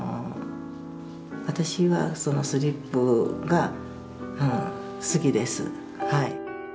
私はスリップが好きです。